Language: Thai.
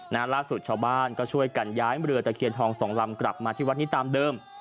ล่าสุดชาวบ้านก็ช่วยกันย้ายเรือตะเคียนทองสองลำกลับมาที่วัดนี้ตามเดิม